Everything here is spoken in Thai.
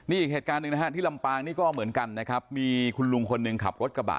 อีกเหตุการณ์ที่ลำปางก็เหมือนกันมีคุณลุงคนหนึ่งขับรถกระบะ